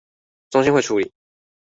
中心會處理